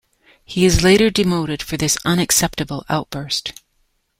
He is later demoted for this unacceptable outburst.